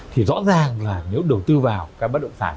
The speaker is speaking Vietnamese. thì rõ ràng là nếu đầu tư vào các bất động sản